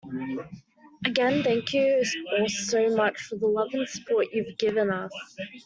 Again, thank you all so much for the love and support you've given us.